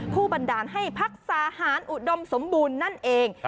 บันดาลให้พักสาหารอุดมสมบูรณ์นั่นเอง